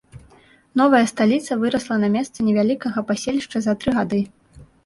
Новая сталіца вырасла на месцы невялікага паселішча за тры гады.